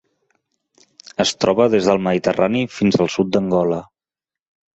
Es troba des del Mediterrani fins al sud d'Angola.